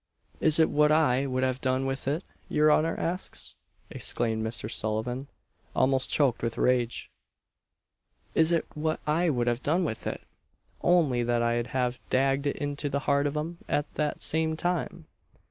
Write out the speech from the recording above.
"Is it what I would have done with it, your honour asks?" exclaimed Mr. Sullivan, almost choked with rage "Is it what I would have done with it! ounly that I'd have dagged it into the heart of 'em at that same time!"